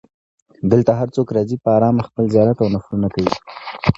دلته هر څوک راځي په ارامه خپل زیارت او نفلونه کوي.